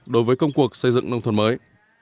đối với công cuộc xây dựng nông thôn mới